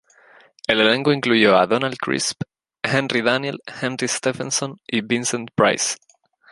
El elenco incluyó a Donald Crisp, Henry Daniell, Henry Stephenson y Vincent Price.